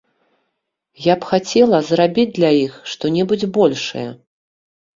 Я б хацела зрабіць для іх што-небудзь большае.